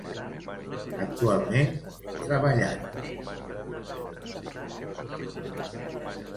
Actualment treballant amb Strawberry Blonde Curls, una empresa líder de Theatre of Sanctuary.